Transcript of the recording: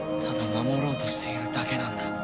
ただ守ろうとしているだけなんだ。